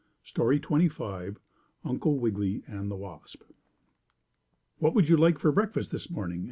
STORY XXV UNCLE WIGGILY AND THE WASP "What would you like for breakfast this morning?"